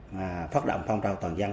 mà phát động phong trào toàn dân